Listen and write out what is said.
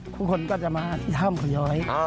ทุกคนก็จะมาที่ถ้ำขย้อย